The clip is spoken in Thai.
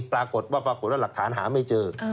ปรากฏว่าหลักฐานหาไม่เจอ